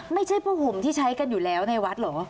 ไม่ใช่ผ้าห่มที่ใช้กันอยู่แล้วในวัดเหรอ